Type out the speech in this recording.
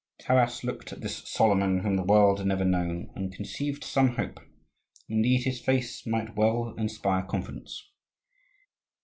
Taras looked at this Solomon whom the world had never known and conceived some hope: indeed, his face might well inspire confidence.